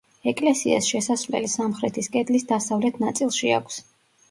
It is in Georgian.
ეკლესიას შესასვლელი სამხრეთის კედლის დასავლეთ ნაწილში აქვს.